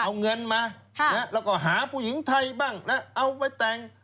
เอาเงินมาแล้วก็หาผู้หญิงไทยบ้างนะเอาไปแต่ง